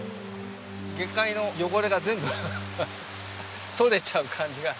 下界の汚れが全部取れちゃう感じが。